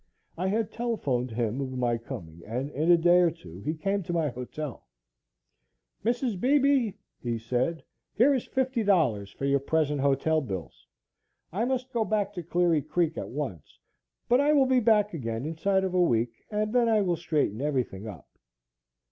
I had telephoned him of my coming, and in a day or two he came to my hotel. "Mrs. Beebe," he said, "here is $50 for your present hotel bills. I must go back to Cleary Creek at once, but I will be back again inside of a week, and then I will straighten everything up."